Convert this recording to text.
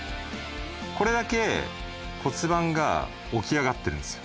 これだけ骨盤が起き上がってるんですよ。